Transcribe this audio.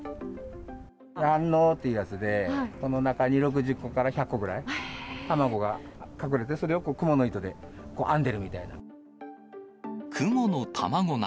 卵のうっていうやつで、この中に６０個から１００個ぐらい、卵が隠れて、それをクモの糸で編んでるみたいな。